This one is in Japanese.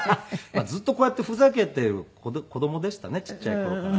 ずっとこうやってふざけている子供でしたねちっちゃい頃から。